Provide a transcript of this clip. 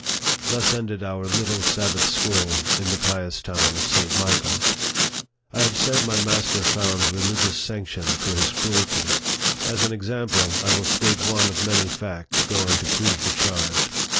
Thus ended our little Sabbath school in the pious town of St. Michael's. I have said my master found religious sanction for his cruelty. As an example, I will state one of many facts going to prove the charge.